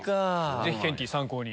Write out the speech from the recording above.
ぜひケンティー参考に。